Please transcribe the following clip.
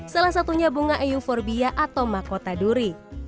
salah satunya bunga euforbia atau makota duri